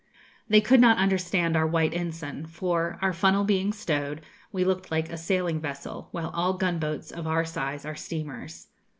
(They could not understand our white ensign; for, our funnel being stowed, we looked like a sailing vessel, while all gunboats of our size are steamers.)